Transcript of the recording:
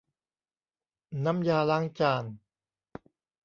น้ำยาล้างจาน